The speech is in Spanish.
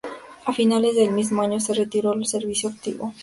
A finales del mismo año se retiró del servicio activo.